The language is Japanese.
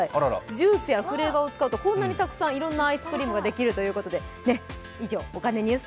ジュースやフレーバーを使うとこんなにたくさんいろんなアイスクリームができるということです。